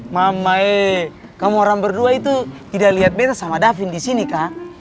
mamai kamu orang berdua itu tidak lihat beda sama davin disini kan